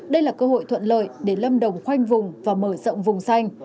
đây là cơ hội thuận lợi để lâm đồng khoanh vùng và mở rộng vùng xanh